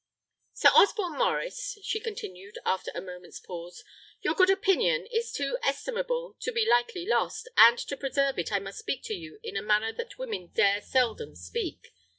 Sir Osborne Maurice," she continued, after a moment's pause, "your good opinion is too estimable to be lightly lost, and to preserve it I must speak to you in a manner that women dare seldom speak.